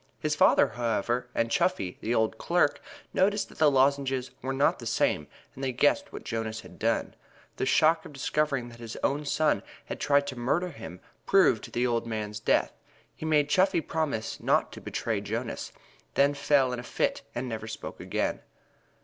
His father, however, and Chuffey, the old clerk, noticed that the lozenges were not the same, and they guessed what Jonas had done. The shock of discovering that his own son had tried to murder him proved the old man's death. He made Chuffey promise not to betray Jonas, then fell in a fit and never spoke again.